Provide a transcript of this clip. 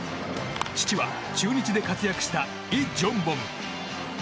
父は中日で活躍したイ・ジョンボム。